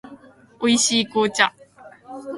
美味しい紅茶